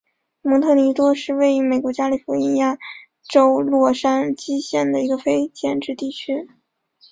蒙特尼多是位于美国加利福尼亚州洛杉矶县的一个非建制地区。